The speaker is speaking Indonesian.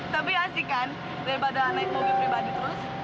lebih asik kan daripada naik mobil pribadi terus